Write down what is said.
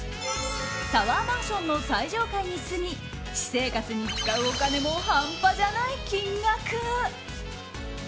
タワーマンションの最上階に住み私生活に使うお金も半端じゃない金額。